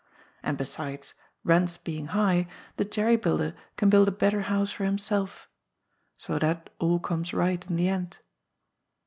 And, besides, rents being high, the jerry builder can build a better house for hipiself . So that all comes right in the end.